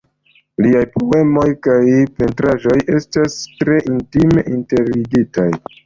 Liaj poemoj kaj pentraĵoj estas tre intime interligitaj.